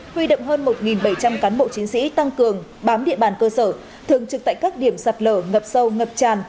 huy động hơn một bảy trăm linh cán bộ chiến sĩ tăng cường bám địa bàn cơ sở thường trực tại các điểm sạt lở ngập sâu ngập tràn